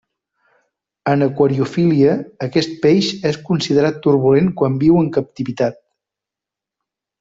En aquariofília, aquest peix és considerat turbulent quan viu en captivitat.